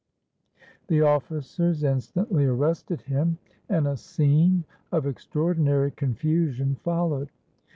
The officers instantly arrested him; and a scene of extraordinary confusion followed.